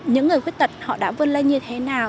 những người khuyết tật họ đã vươn lên như thế nào